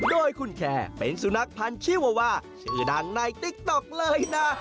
โดยคุณแคร์เป็นสุนัขพันธ์ชีวาวาชื่อดังในติ๊กต๊อกเลยนะ